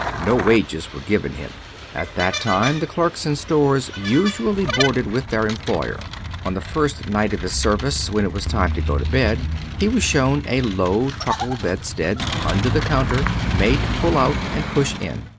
No wages were given him. At that time the clerks in stores usually boarded with their employer. On the first night of his service, when it was time to go to bed, he was shown a low, truckle bedstead, under the counter, made to pull out and push in.